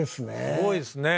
すごいですね。